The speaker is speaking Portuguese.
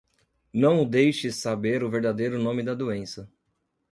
Não o deixes saber o verdadeiro nome da doença.